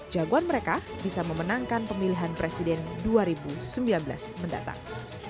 jagoan mereka bisa memenangkan pemilihan presiden dua ribu sembilan belas mendatang